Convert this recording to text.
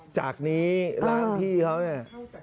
จากนี้ร้านพี่เขาเนี่ย